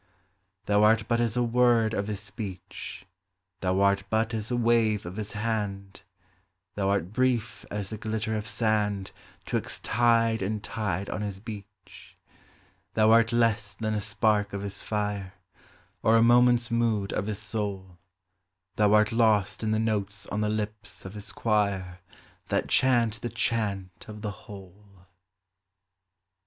Thou art but as a word of his speech, Thou art but as a wave of his hand ; Thou art brief as a glitter of sand 'Twixt tide and tide on his beach ; Thou art less than a spark of his fire, Or a moment's mood of his soul : Thou art lost in the notes on the lips of his choir That chant the chant of the Whole.